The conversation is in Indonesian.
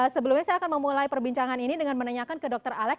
sebelumnya saya akan memulai perbincangan ini dengan menanyakan ke dr alex